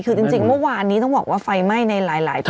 คือจริงเมื่อวานนี้ต้องบอกว่าไฟไหม้ในหลายปี